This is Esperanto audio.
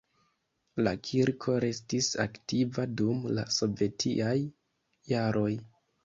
La kirko restis aktiva dum la sovetiaj jaroj.